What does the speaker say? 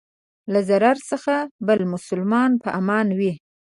له ضرر څخه بل مسلمان په امان وي.